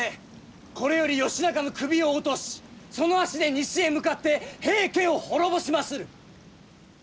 これより義仲の首を落としその足で西へ向かって平家を滅ぼしまする！